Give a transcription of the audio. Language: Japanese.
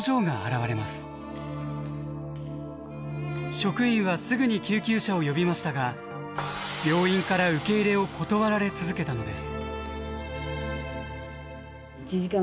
職員はすぐに救急車を呼びましたが病院から受け入れを断られ続けたのです。